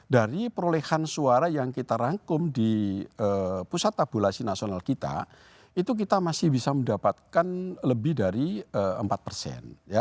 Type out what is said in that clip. dari perolehan suara yang kita rangkum di pusat tabulasi nasional kita itu kita masih bisa mendapatkan lebih dari empat persen